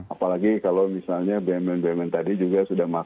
apalagi kalau misalnya bumn bumn tadi juga sudah masuk